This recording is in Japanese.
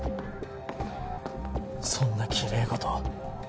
そんなきれい事。